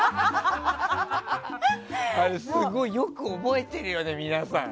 よく覚えてるよね、皆さん。